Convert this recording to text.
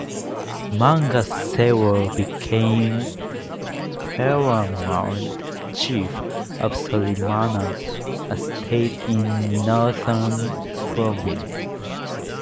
Manga Sewa became paramount chief of Solimana, a state in Northern Province.